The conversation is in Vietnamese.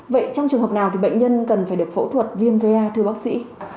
vậy trong trường hợp nào thì bệnh nhân cần phải được phẫu thuật viêm ga thưa bác sĩ